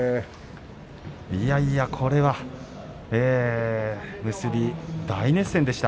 いやいや、これは結び、大熱戦でした。